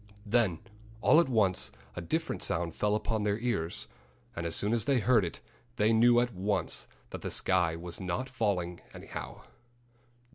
Then all at once a different sound fell upon their ears. And as soon as they heard it they knew at once that the sky was not falling, anyhow.